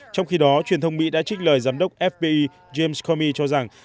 trong khi đó truyền thông mỹ đã trích lời giám đốc fbi james comey cho rằng